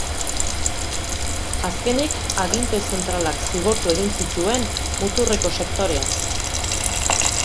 Azkenik, aginte zentralak zigortu egin zituen muturreko sektoreak.